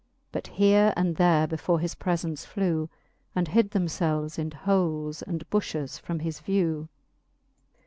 But here and there before his prefence flew, And hid themfelves in holes and bulhes from his vew.